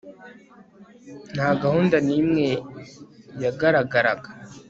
nta gahunda n'imwe yagaragaraga